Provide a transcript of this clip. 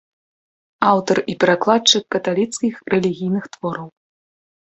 Аўтар і перакладчык каталіцкіх рэлігійных твораў.